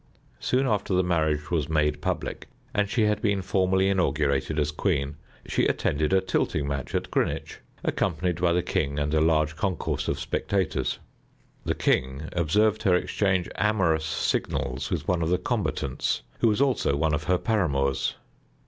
Soon after the marriage was made public, and she had been formally inaugurated as queen, she attended a tilting match at Greenwich, accompanied by the king and a large concourse of spectators. The king observed her exchange amorous signals with one of the combatants, who was also one of her paramours.